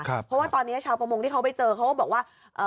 เพราะว่าตอนนี้ชาวประมงที่เขาไปเจอเขาก็บอกว่า